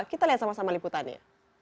kita lihat sama sama liputannya